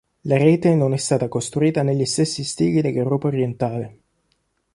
La rete non è stata costruita negli stessi stili dell'Europa orientale.